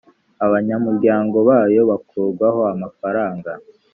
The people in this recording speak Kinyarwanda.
abanyamuryango bayo bakurwaho amafaranga